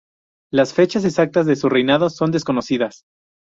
Las fechas exactas de su reinado son desconocidas.